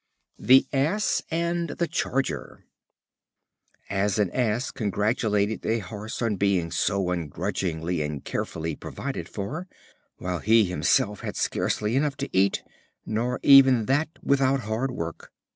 The Ass and the Charger. An Ass congratulated a Horse on being so ungrudgingly and carefully provided for, while he himself had scarcely enough to eat, nor even that without hard work.